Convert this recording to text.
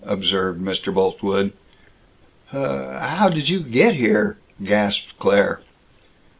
observed Mr. Boltwood. "Hhhhhhhhow did you get here?" gasped Claire.